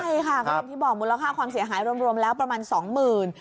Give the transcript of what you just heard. ได้ค่ะเมื่อกี้บอกว่ามูลค่าความเสียหายรวมแล้วประมาณ๒๐๐๐๐บาท